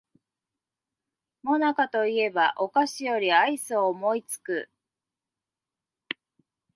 もなかと言えばお菓子よりアイスを思いつく